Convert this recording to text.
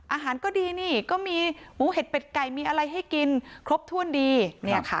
อาหารก็ดีนี่ก็มีหมูเห็ดเป็ดไก่มีอะไรให้กินครบถ้วนดีเนี่ยค่ะ